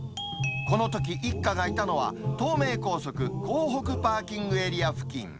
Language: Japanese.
このとき一家がいたのは、東名高速港北パーキングエリア付近。